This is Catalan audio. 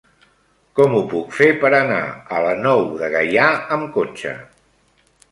Com ho puc fer per anar a la Nou de Gaià amb cotxe?